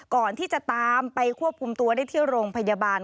ก่อนที่จะตามไปควบคุมตัวได้ที่โรงพยาบาล